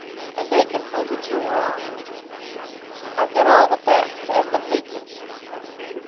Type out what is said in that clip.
"And they can prove that you're wrong." "I've got all the facts, and the figures."